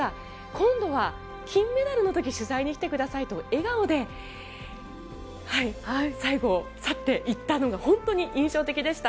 今度は金メダルの時取材に来てくださいと笑顔で最後去っていったのが本当に印象的でした。